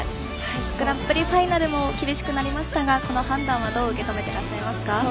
グランプリファイナルも厳しくなりましたがこの判断はどう受け止めていますか。